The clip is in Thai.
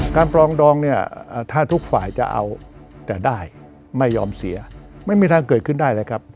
ปรองดองเนี่ยถ้าทุกฝ่ายจะเอาแต่ได้ไม่ยอมเสียไม่มีทางเกิดขึ้นได้เลยครับ